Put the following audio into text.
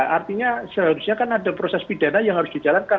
artinya seharusnya kan ada proses pidana yang harus dijalankan